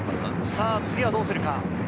次はどうするか？